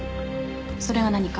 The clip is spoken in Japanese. それが何か？